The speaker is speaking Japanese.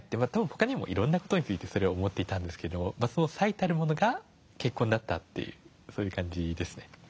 他にもいろんな事についてそれを思っていたんですけれどその最たるものが結婚だったとそういう感じですね。